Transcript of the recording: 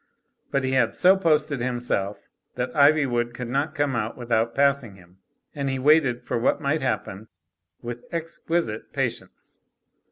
But he had so posted himself that Ivywood could not come out without passing him, and he waited for what might happen with exquisite patience.